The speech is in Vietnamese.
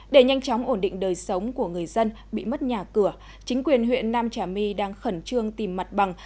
để nhanh chóng ổn định đời sống của người dân bị mất nhà cửa chính quyền huyện nam trà my đang khẩn trương tìm mặt bằng